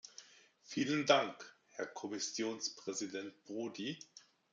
Vielen Dank, Herr Kommissionspräsident Prodi.